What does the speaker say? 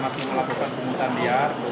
masih melakukan pembuatan liat